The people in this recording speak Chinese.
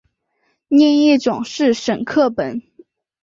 另一种是沈刻本。